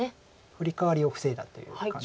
フリカワリを防いだという感じです。